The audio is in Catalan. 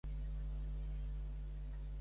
En què consisteix Íntimament Llach?